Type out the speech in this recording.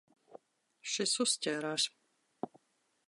Šis uzķērās.